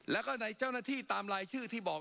แล้วก็ในเจ้าหน้าที่ตามรายชื่อที่บอก